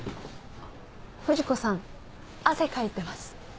不二子さん汗かいてます。